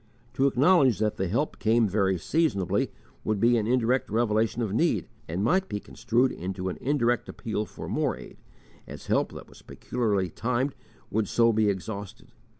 To acknowledge that the help came very seasonably would be an indirect revelation of need, and might be construed into an indirect appeal for more aid as help that was peculiarly timely would soon be exhausted.